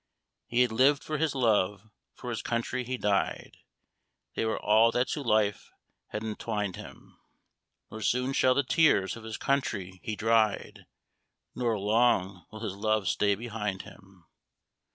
He had lived for his love for his country he died, They were all that to life had entwined him Nor soon shall the tears of his country be dried, Nor long will his love stay behind him!